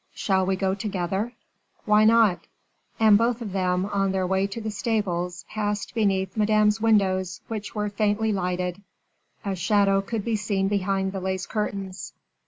"Shall we go together?" "Why not?" And both of them, on their way to the stables, passed beneath Madame's windows, which were faintly lighted; a shadow could be seen behind the lace curtains.